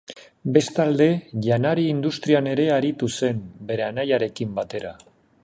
Bestalde, janari-industrian ere aritu zen, bere anaiarekin batera.